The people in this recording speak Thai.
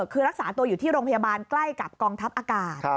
คือรักษาตัวอยู่ที่โรงพยาบาลใกล้กับกองทัพอากาศ